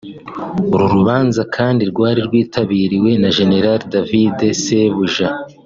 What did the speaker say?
uru rubanza kandi rwari rwitabiriwe na General David Sejusa